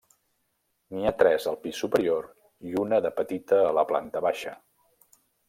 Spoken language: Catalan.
N’hi ha tres al pis superior i una de petita a la planta baixa.